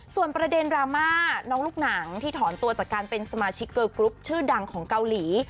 ส่วนประเด็นดราม่าน้องลูกหนังที่ถอนตัวจากการเป็นสมาชิกเกอร์กรุ๊ปชื่อดังของเกาหลี